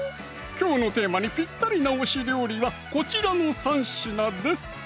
きょうのテーマにピッタリな推し料理はこちらの３品です